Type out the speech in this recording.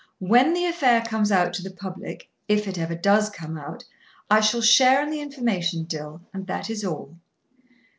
When the affair comes out to the public if it ever does come out I shall share in the information, Dill, and that is all."